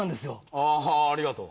あぁありがとう。